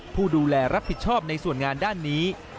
ผู้ดูแลรับผิดชอบในส่วนงานด้านนี้